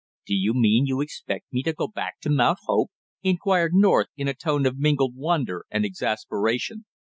"Do you mean you expect me to go back to Mount Hope?" inquired North in a tone of mingled wonder and exasperation.